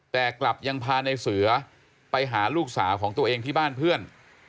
แต่กลับยังพาในเสือไปหาลูกสาวของตัวเองที่บ้านเพื่อน